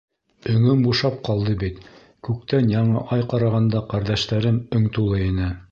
Өңөм бушап ҡалды бит, күктән яңы ай ҡарағанда ҡәрҙәштәрем өң тулы ине.